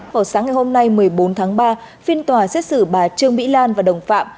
vào sáng ngày hôm nay một mươi bốn tháng ba phiên tòa xét xử bà trương mỹ lan và đồng phạm